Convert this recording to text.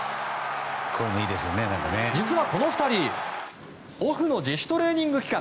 実は、この２人オフの自主トレーニング期間